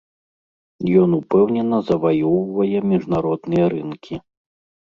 Ён упэўнена заваёўвае міжнародныя рынкі.